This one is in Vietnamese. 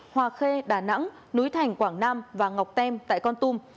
hòa khê đà nẵng núi thành quảng nam và ngọc tem tại con tum